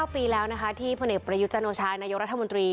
๙ปีแล้วนะคะที่พลเอกประยุทธ์จันโอชานายกรัฐมนตรี